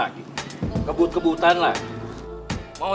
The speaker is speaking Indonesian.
haduh hidup belum